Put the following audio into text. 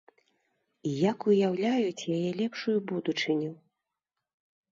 І як уяўляюць яе лепшую будучыню.